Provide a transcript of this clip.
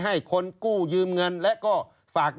ชีวิตกระมวลวิสิทธิ์สุภาณฑ์